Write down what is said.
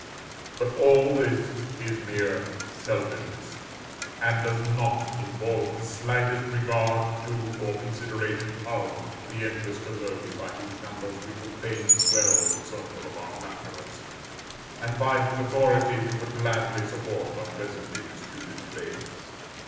But all this is mere selfishness, and does not involve the slightest regard to, or consideration of, the interest of those by whose numbers we would fain swell the circle of our flatterers, and by whose authority we would gladly support our presently disputed claims.